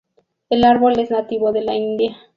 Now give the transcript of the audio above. El árbol es nativo de la India.